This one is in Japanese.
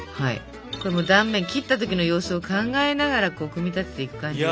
これ断面切った時の様子を考えながらこう組み立てていく感じだね。